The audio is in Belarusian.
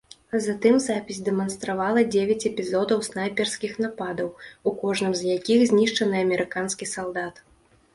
Затым запіс дэманстравала дзевяць эпізодаў снайперскіх нападаў, у кожным з якіх знішчаны амерыканскі салдат.